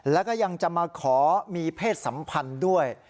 แล้วก็ยังจะมาขอมีเพศสัมพันธ์ด้วย